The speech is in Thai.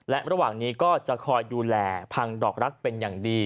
และระหว่างนี้ก็จะคอยดูแลพังดอกรักเป็นอย่างดี